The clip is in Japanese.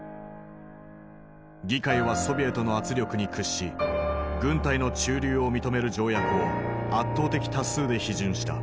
議会はソビエトの圧力に屈し軍隊の駐留を認める条約を圧倒的多数で批准した。